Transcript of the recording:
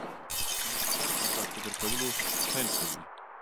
نوښتګر په ازاد فکر کولو پیل کوي.